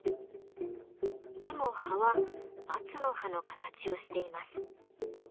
でも葉は「松の葉」の形をしています。